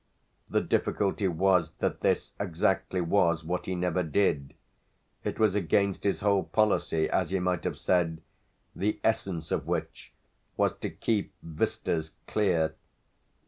The difficulty was that this exactly was what he never did; it was against his whole policy, as he might have said, the essence of which was to keep vistas clear.